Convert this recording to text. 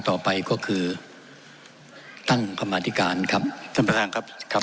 ต่อไปก็คือตั้งกรรมาธิการครับท่านประธานครับครับ